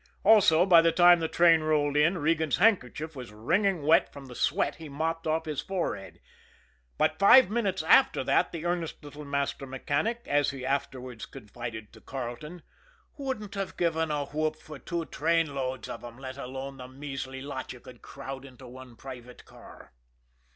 Also, by the time the train rolled in, Regan's handkerchief was wringing wet from the sweat he mopped off his forehead but five minutes after that the earnest little master mechanic, as he afterwards confided to Carleton, "wouldn't have given a whoop for two trainloads of 'em, let alone the measly lot you could crowd into one private car."